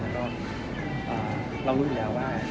แล้วก็เรารู้อยู่แล้วว่า